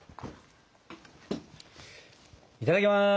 いただきます。